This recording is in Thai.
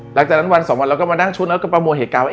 หลังจากนั้นวันสองวันเราก็มานั่งชุดแล้วก็ประมวลเหตุการณ์ว่า